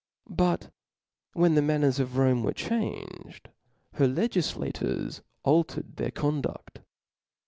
But when the manners of Rome were changed, her legiflators altered their («)lnfti <^o^duft.